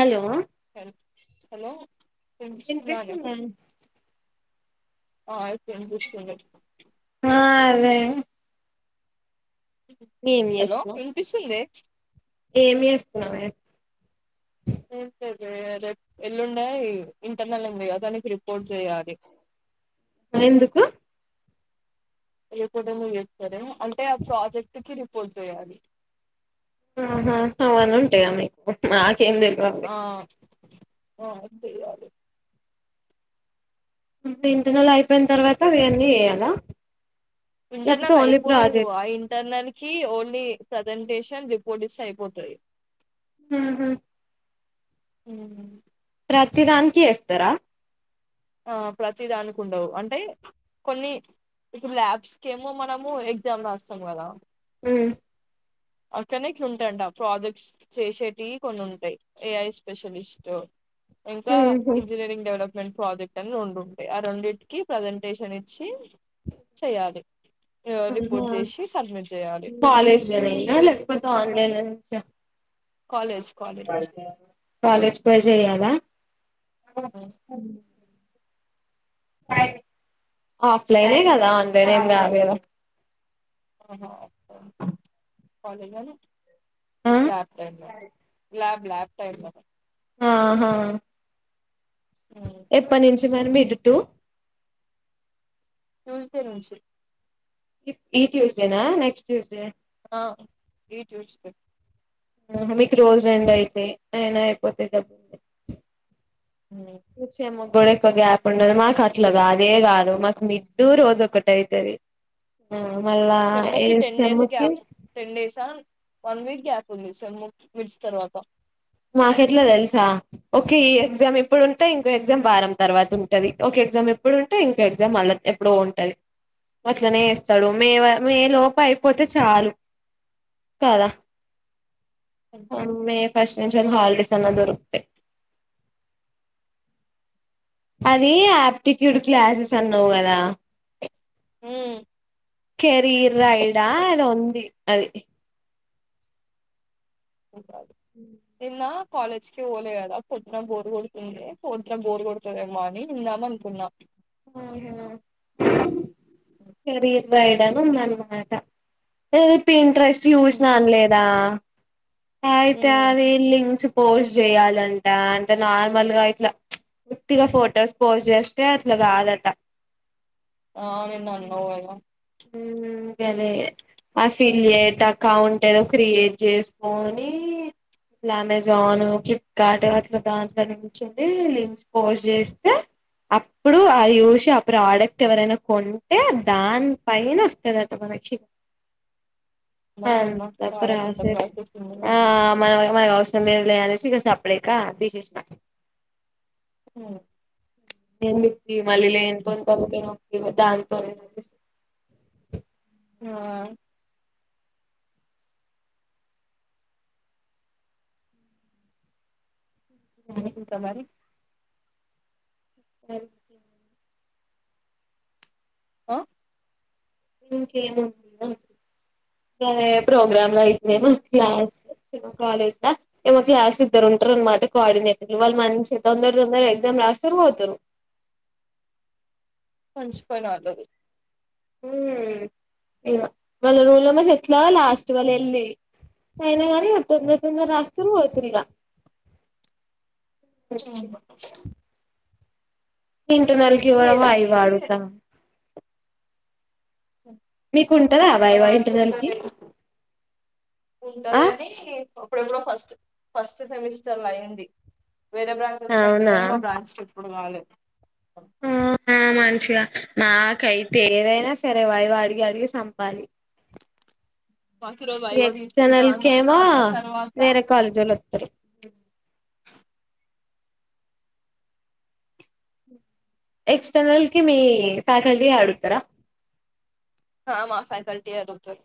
Hello hello వినిపిస్తుందాన వినిపిస్తుందా? ఆ ఇప్పుడు వినిపిస్తుంది ఆ అదే హలో వినిపిస్తుందె ఏమి చేస్తున్నావే ఏం లేదె రేపు ఎల్లుండే ఇంటర్నల్ ఉంది కదా నీకి రిపోర్ట్ చెయాలి ఎందుకు ఇ కూడాడను వస్తారు [unintelligible] అంటే ఆ ప్రాజెక్ట్ కి రి పో తయాలి ఆహ అవను ఉంటాయి మీకు నా [unintelligible] ఆ ఆ [unintelligible] అంటే ఇంటి నెల అయిపోయిన తర్వాత ఇవన్నీ వేయాల ఇంటర్నల్ అయిపోలేదు ఆ ఇంటర్నల్ కి ఓన్లీ స ప్రజెంటేషన్ రిపోర్టీస్తత అయిపోతాయి ఊహూ ఊ ప్రతి దానికి వేస్తారా ఆ ప్రతి దానికి ఉండవు అంటే కొన్ని ఇ ల్యాబ్స్ కేమో మనము ఎగ్జామ్ రాస్తాం కదా హ్మ్ అక్కనే ఇక్కడంటాడా ప్రాజెక్ట్స్ చేసేటివి కొన్ని ఉంటాయి ఏఐ స్పెషలిస్ట్ ఎంకా ఉహు ఇంజిననీరింగ్ డెవలప్ ప్రాజెక్టు రెండు ఉంటాయి ఆ రెండింటికి ప్రజెంటేషన్ ఇచ్చి చేయలీ ఉహు చేయాలి కాలజ లేకపోతే ఆన్లైన్ నుంచా కాలేజ్ కాలేజ్ కాలేజ్ పోయి చేయాలా ఆఫ్లైనే కదా ఆన్లైన్ ఏం కాదు కదా ఆహ కాలజ ల ఆ lab ten lab lab time ఆహా ఎప్పటి నుంచి మరి మీ ఇటు ట్యూస్డే నుంచి ఈ ట్యూస్డేనా నెక్స్ట్ ట్యూస్డే ఏ ఈ ట్యూస్డే ఆహా మీకు రోజు రెం అయితే అయినా అయిపోతే డబ్ నిచ్చేమం [unintelligible] గ్యాప్ ఉండదు మాకు అట్లా కాదే కాదు మాకు మిడ్డుూ రోజు ఒకటి ఐతది సెమ్ కి ten days gap ten days ఆ వన్ వీక్ గ్యాప్ ఉంది సెమ్ మిడ్స్ తర్వాత మాకు ఎట్లా తెలుసా ఒకే ఈ ఎగ్జామ్ ఎప్పుడుంటే ఇంకో ఎగ్జామ్ వారం తర్వాత ఉంటది ఒక ఎగ్జామ్ ఇప్పుడుంటే ఇంకో ఎగ్జామ్ అల ఎప్పుడో ఉంటది అట్లనే వస్తాడు మే మే లోప అయిపోతే చాలు కదా అ మే నేన్ చాల హాలిడేస్ అన్నా దొరుకుతే అది యాప్టిట్యూడ్ క్లాసెస్ అన్నావు కదా మ్ కేరీర్ రైడ్ ఆ ఏదో ఉంది అది నీకు రాదు ఎంద్ మా కాలేజ్ కి ఓలే కదా పొద్దున బోరు కొడుతుంది పొద్దున బోరు కొడుతాదేమో అని ఉందాం అనుకున్నా ఆ హ కెరీర్ రైడ్ అని ఉందనమాట పిన్ ట్రెస్ట్ మ్మ్ చూసినా అనలేదా అయితే అది లింక్స్ పోస్ట్ చేయాలంట అంటే నార్మల్గా ఇట్లా పూర్తిగా ఫొటోస్ పోస్ట్ చేస్తే ట్ల గాదట ఆ నిన్న అన్నావు కదా ఊ [inaudible] గనే ఆ ఫిలియేట్ అకౌంట్ ఏదో క్రియేట్ చేసుకోని ఇట్లా అమెజాన్ ఫ్లిప్కార్ట్ అట్లా దాంట్లో నుంచి అది లింక్స్ పోస్ట్ చేస్తే అప్ ప్పుడు అది చూసి ఆ ప్రాడక్ట్ ఎవరైనా కొంటే దాని పైన వస్తదట మనకి అమ్మని అమ్మ అంత చాలా పెద్ద ప్రాసేస్ ప్రాసెస్ ఉంది ఆ కదా. మన మనకు అవసరం లేదు లే అనేసి ఇగ స ప్పుడేకా తీశేషినా ఊ ఎందు తి మళ్ళీ లేని పోని తలకాయ్ నొ ఇగ దానితోని [inaudible] ఊ ఆ ఇంక మరి [inaudible] ఆ అదే ప్రోగ్రామ్ బైటనేమో క్లాస్ [inaudible] కాలేజ్ ద [unintelligible] ఇద్దరుంటరు అనమాట కోఆర్డినేటర్లు వాళ్ళు మంచి తొందర తొందర ఎగ్జామ్ రాస్తారు పోతరు పంచిపొయినోళ్ళగి వాళ్ళ రోల్ నెంబర్స్ ఎట్లా లా స్టు వల్ ఎల్లి తాయినావా [inaudible] తొందర తొందర రాస్ చురువు తిరిగా చెయల్ల [unintelligible] ఇవ్వడం ఏదో అవి తీరే వాడుతాం మీకుంటదా మా వైవా దాంట్లో ఇంటర్నెల్ కి ఉంటది ఉంటది ఆ కానీ అప్పుడు ఎప్పుడు ఫస్ట్ సెమిస్టర్ లో అయింది వేరే బ్రాంచెస్ అతుంది అని మా బ్రాంచ్ ఇప్పుడు వలకు హు హా మంచిగా నాకైతే ఏదైనా సరే వాై్ అడిగి అడిగి చంపాలి మాకు ఈరోజు వైవా తీసుకుంటా ఎక్స్టర్నల్ అన్నారు కేమా మళ్ళా తర్వాత వేరే కాలేజ్లో వస్తారు ఎక్స్టర్నల్ కి మీ ఫ్యాకల్టీ అడుగుతారా హా మా ఫ్యాకల్టీ అడుగుతారు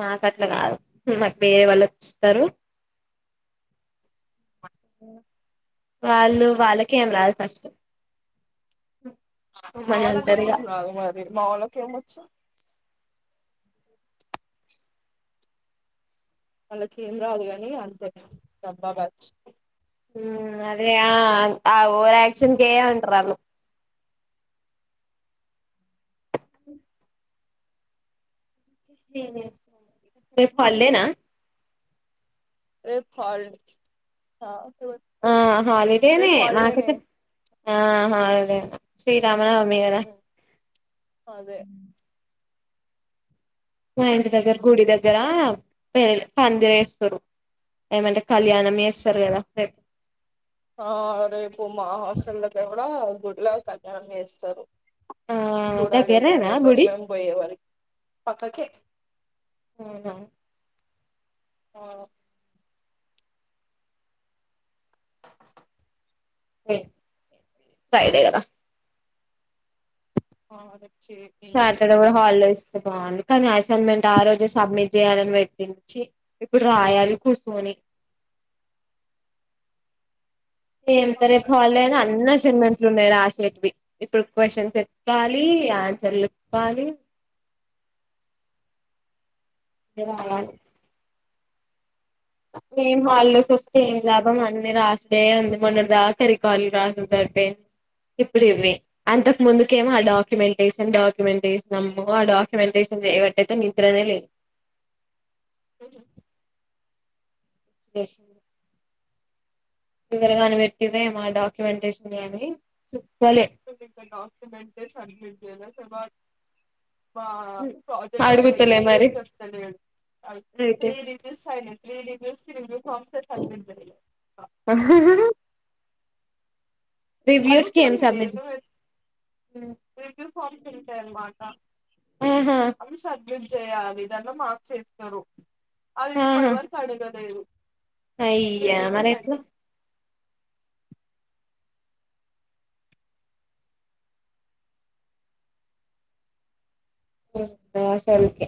నాకు అట్లా కాదు మాకు వేరే వాళ్ళుిస్తారు వాళ్ళు వాళ్ళకేం రాదు ఫస్ట్ మా మమ్మల్ని వాళ్ళ కూడా అంటారు ఇగ ఆమె రాదు మా వాళ్ళకి ఆమె వచ్చి ఏమొచ్చు వాళ్ళకిం రాదు కాని అంతే బాబాద్ బ్యాచ్ అదే ఆ ఓవరాక్షన్ వుంటారు వాలు రేపు హాలిడే నా రేపు హాలిడే ఆ రేపు హాలిడేనే హాలిడేనే మాకతే ఆ హాలిడే నే శ్రీరామనవమి కదా అదే మా ఇంటి దగ్గర గుడి దగ్గర పందిర వేస్తారు ఏమంటే కళ్యాణం చేస్తారు కదా రేపు ఆ రేపు మా హాస్టల్ లోకి కూడా గుడిలో కళణం చేేస్తారు ఆ ోడ లే టైమ్ దగ్గరేనా అయితే గుడి మేము పోయవరకు పక్కకి అవును ఆ రేపు ఫ్రైడే కదా ఆ అదే శాటర్డే కూడా కూడా హాలిడే ఇస్తారు మరి కానీ అసైన్మెంట్ ఆ రోజే సబ్మిట్ చేయాలి చేయాలని పెట్టించి ఇప్పుడు రాయాలి కూర్చొని ంత రేపు హాలిడే అయిన అని రిపోర్ట్ చేయాలి అసైన్మెంట్ ఉనాయి రాయాలి ఇప్పుడు క్యూషన్స్ ఎతుకోవాలి ఆన్సర్లు ఎత్తుకోవాలి [inaudible] ఆమె హాలిడేస్ ఇస్తే ఆమె లాభం అని రాయాలి లేదు అండి. మొన్నటి దాకా రికార్డులు రాసూడు సరిపోయింది. ఇప్పుడు ఇవి అంతకు ముందు ఏమో ఆ డాక్యుమెంటేషన్ డాక్యుమెంట్ చేసినాము అమ్మో డాక్యుమెంటేషన్ చేయబట్టయితే నిద్రనే లేదు. ఉహు పిచ్చి లేసింది ఎవరు గాని పెట్టిండ్రేమో ఆ డాక్యుమెంటేషన్ గాని చెప్పలే మేము ఇంకా డాక్యుమెంటేషన్ సబ్మిట్ చేయలే అసలు మాక్ మా ప్రాజెక్ట్ గైడ్ అడుగుతలే ఏం మరి చెప్తలేడు. అయితే త్రీ రివ్యూస్ అయినాయి త్రీ రివ్యూస్ [inaudible] సాఫ్ట్వేర్ సబ్మిట్ చేయాలే రివ్యూస్ అడుగుత కి ఏం లేడే సబ్మిట్ రివ్యూ ఫార్మ్ ఫిల్ చేయాలన్న మాట ఆహా అవసరం రేపు చేయాలి దాంట్లో మార్క్స్ వేస్తారు. అది ఇప్పటి ఆహా వరకు అడగలేదు త్రీ అయ్యా మరి రివ్యూస్ ఎట్ల అంటే ఏందో అసలుకే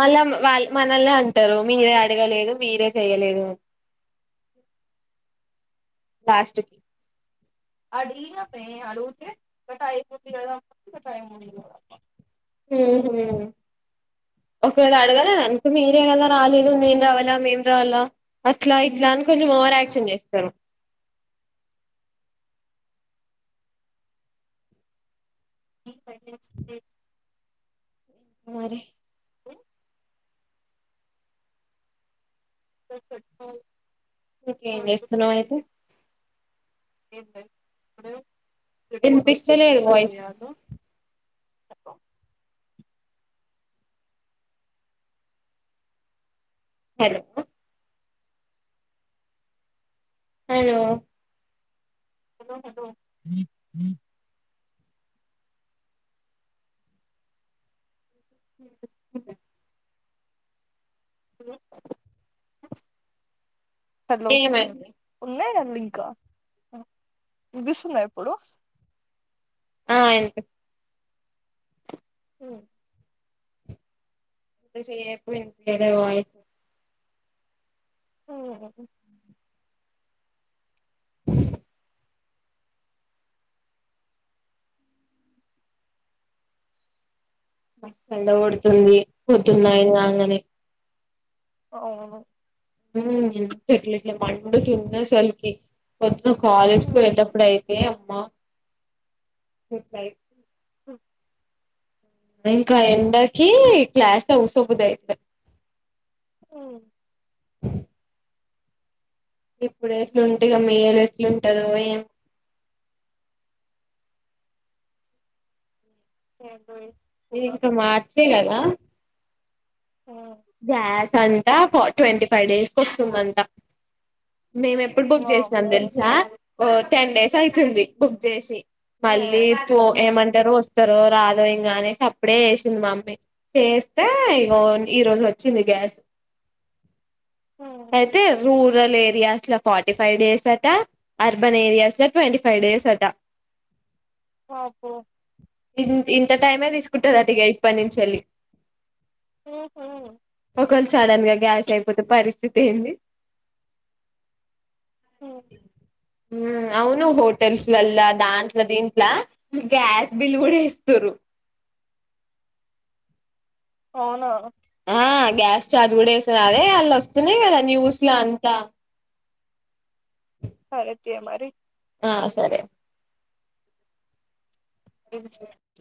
మళ్ళా వాళ్ళు మనల్నే అంటారు. మీరే అడగలేదు మీరే చెయలేదు అ లాస్ట్ కి అడిగినామమే అడుగుతే ఇంకా టైం ఉంది కదా ఇంకా టైమ్ ఉంది కదా అబ్బా ఉహు ఒకవేళ అడగ లేదు అనుకో మీరే కదా రాలేదు మేం రావాలా మేం రావాలా అట్లా ఇట్లా అని కొంచెం ఓవర్ యాక్షన్ చేస్తారు. [unintelligible] మరి [unintelligible] ఇంకేం చేస్తున్నావ్ అయితే ఏమి లేదు ఇప్పుడు ఇప్పుడు నుంచి వినిపిస్తలేదు నేను రెడీ వాయిస్ చేయ్యాలో hello hello hello hello hello హుస్ థాట్ హలో హలో ఏమైంది ఉన్నాయి రా లింకా ఆ వినిపిస్తుందా ఇప్పుడు ఆ వినిపిస్ ఉమ్ ఇంత సేపు వినిపియ్యలేదు వాయిస్ హ్ హ్ మస్తు ఎండ కొడుతుంది పొద్దునే నైన్ కంగానే అవును ఉ ఎంత ఎట్ల ఎట్ల మండుతుంది అసల్ కి నువ్వు కాలేజ్ కు వెళ్ళటప్పుడయితే గుడ్ నైట్ ఇంకా ఎండాకి క్లాస్ లో కూసోబుద్ది [inaudible] మ్మ్ ఇప్పుడు ఎట్లుంటుగా మీలు ఎట్లుంటదో ఏం [unintelligible] ఇంకా మార్చ్ తినదా తంట కొ ట్వంటీ ఫైవ్ డేస్ కోస్తుందంట మేము ఎప్పుడు బుక్ చేసినాం వామ్మో తెలుసా ఓ టెన్ డేస్ అయితుంది బుక్ చేసి మళ్ళీ పో ఏమంటారు వ త్తరో రాదో ఇంకా అనేసి అప్పుడే చేసింది మమ్మీ చేస్తే ఇగో ఈ రోజు వొ వచ్చింది గ్యాస్ అయితే రూరల్ ఏరియాస్ లో ఫార్టీ ఫైవ్ డేస్ అట అర్బన్ ఏరియాస్ లో ట్వంటీ ఫైవ్ డేస్ అట పాపం ఇంత్ ఇంత టైమే తీసుకుంటది అటుగా ఇప్పటి నుంచెళ్ళి ఊహూ క్వల్ నడన్ గా గ్యాస్ ఐపోతే పరిస్తి స్ధితి ఏంది ఊ అవును హోటల్స్ లల్ల దాంట్లో దీంట్లో గ్యాస్ బిల్ కూడా ఏస్తరు అవునా ఆ గ్యాస్ ఛార్జ్ కూడా ఏస్తునారు అదే వాళ్ళు వస్తున్నాయి కదా న్యూస్ లో అంతా తారత్య మరి ఆ సరే [inaudible]